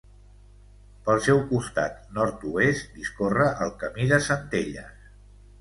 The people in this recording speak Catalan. Pel seu costat nord-oest discorre el Camí de Centelles.